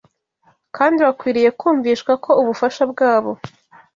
kandi bakwiriye kumvishwa ko ubufasha bwabo